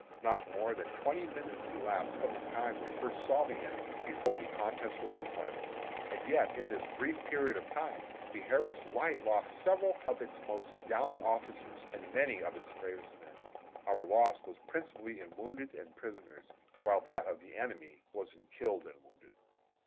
Not more than twenty minutes elapsed from the time we first saw the enemy before the contest was decided; and yet, in this brief period of time, the Harris Light lost several of its most gallant officers and many of its bravest men. Our loss was principally in wounded and prisoners, while that of the enemy was in killed and wounded.